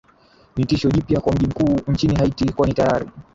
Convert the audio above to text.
ni tisho jipya kwa mji mkuu nchini haiti kwani tayari